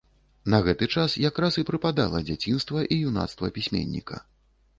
На гэты час якраз і прыпадала дзяцінства і юнацтва пісьменніка.